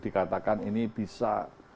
dikatakan ini bisa